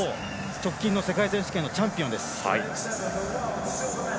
直近の世界選手権のチャンピオンです。